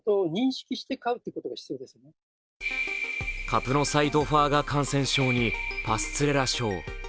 カプノサイトファーガ感染症にパスツレラ症。